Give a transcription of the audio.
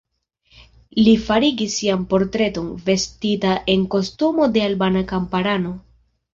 Li farigis sian portreton, vestita en kostumo de albana kamparano.